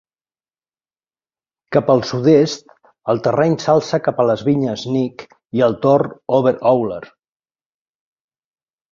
Cap al sud-est el terreny s'alça cap a les vinyes Nick i el tor Over Owler.